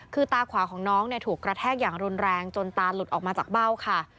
คือตาขวาของน้องถูกกระแทกอย่างรุนแรงจนตาหลุดออกมาจากเบ้าค่ะ